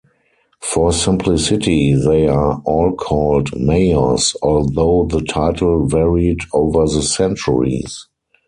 For simplicity they are all called mayors, although the title varied over the centuries.